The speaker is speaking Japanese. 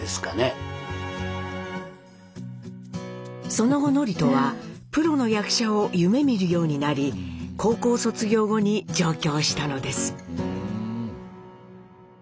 その後智人はプロの役者を夢みるようになり高校卒業後に上京したのです。